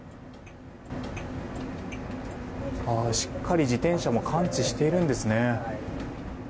しっかり自転車も感知しているんですね。